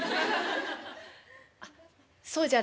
「あっそうじゃない。